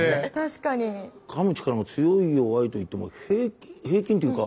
かむ力が強い弱いといっても平均っていうか。